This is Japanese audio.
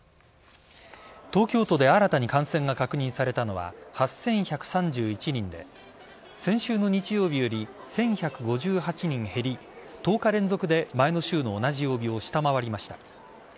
東京都で新たに感染が確認されたのは、８１３１人で先週の日曜日より１１５８人減り１０日連続で前の週の同じ曜日を下回りました。